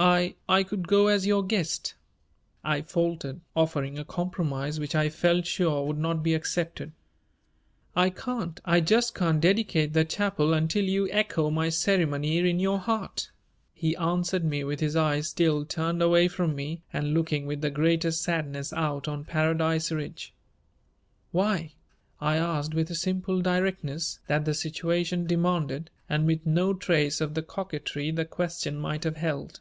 "I I could go as your guest," I faltered, offering a compromise which I felt sure would not be accepted. "I can't, I just can't dedicate the chapel until you echo my ceremony in your heart," he answered me with his eyes still turned away from me and looking with the greatest sadness out on Paradise Ridge. "Why?" I asked with a simple directness that the situation demanded and with no trace of the coquetry the question might have held.